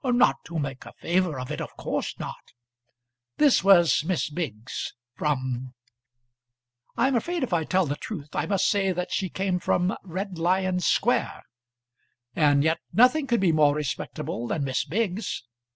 "Not to make a favour of it, of course not." This was Miss Biggs from . I am afraid if I tell the truth I must say that she came from Red Lion Square! And yet nothing could be more respectable than Miss Biggs.